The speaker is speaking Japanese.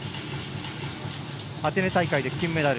アテネ大会で金メダル。